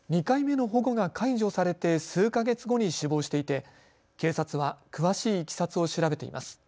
２回目の保護が解除されて数か月後に死亡していて警察は詳しいいきさつを調べています。